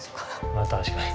まあ確かに。